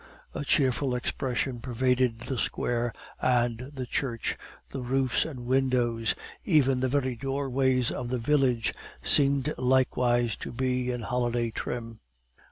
A cheerful expression pervaded the square and the church, the roofs and windows; even the very doorways of the village seemed likewise to be in holiday trim.